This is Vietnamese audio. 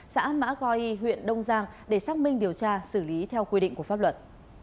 xã mã goi huyện đông giang để xác minh điều tra xử lý theo quy định của pháp luật